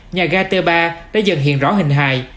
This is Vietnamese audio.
nhà ga t ba đã dần hiện rõ hình hài